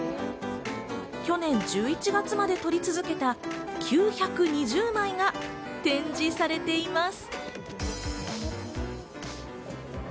去年１１月まで撮り続けた９２０枚が展示されています。